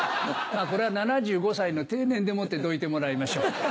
これは７５歳の定年でもってどいてもらいましょう。